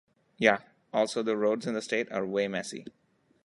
Ya. Also the roads in the state are way messy.